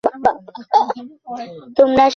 সে ভালো আছো।